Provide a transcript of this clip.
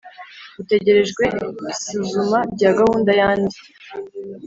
Utegerejwe isuzuma rya gahunda ya ndi